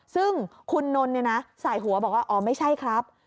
ซึ่งคุณนนท์เนี่ยนะสายหัวบอกว่าอ๋อไม่ใช่ครับ